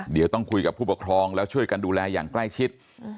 เดี๋ยวต้องคุยกับผู้ปกครองแล้วช่วยกันดูแลอย่างใกล้ชิด